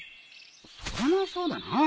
それもそうだな。